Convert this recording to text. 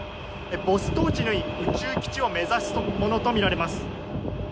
ボストチヌイ宇宙基地を目指すとみられます。